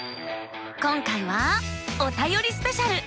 今回は「おたよりスペシャル」。